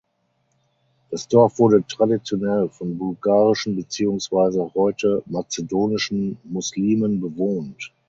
Das Dorf wurde traditionell von bulgarischen beziehungsweise heute mazedonischen Muslimen bewohnt.